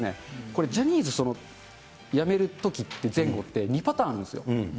これ、ジャニーズやめるときって、前後って２パターンあるんですよ。